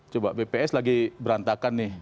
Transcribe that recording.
coba bps lagi berantakan nih